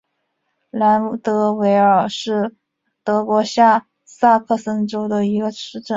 兰德韦尔是德国下萨克森州的一个市镇。